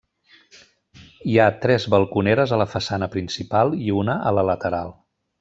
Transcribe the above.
Hi ha tres balconeres a la façana principal i una a la lateral.